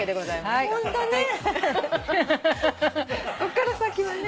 こっから先はね。